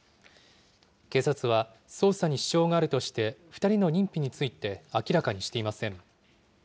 警察は捜査に支障があるとして、２人の認否について明らかにしていません。